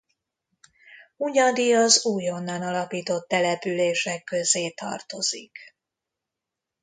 Hunyadi az újonnan alapított települések közé tartozik.